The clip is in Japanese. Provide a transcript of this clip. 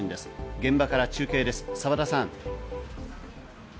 現場から中継です、澤田さん。